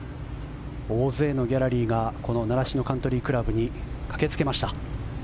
大勢のギャラリーがこの習志野カントリークラブに駆けつけました。